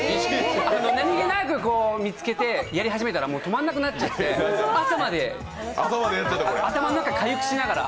何気なく見つけてやり始めたら止まらなくなっちゃって、朝まで、頭の中、かゆくしながら。